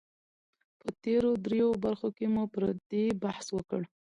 په تېرو دريو برخو کې مو پر دې بحث وکړ